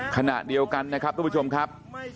ขณะเดียวกันนะครับทุกผู้ชมครับ